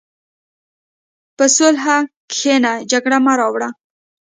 په صلح کښېنه، جګړه مه راوړه.